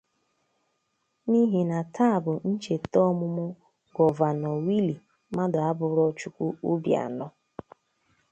n'ihi na taa bụ ụbọchị ncheta ọmụmụ Gọvanọ Willie Madụabụrọchukwu Obianọ.